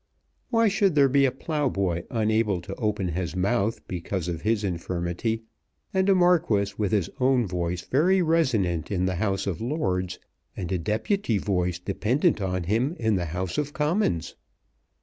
Why should there be a ploughboy unable to open his mouth because of his infirmity, and a Marquis with his own voice very resonant in the House of Lords, and a deputy voice dependent on him in the House of Commons?